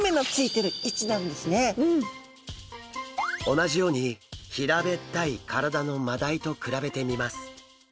同じように平べったい体のマダイと比べてみます。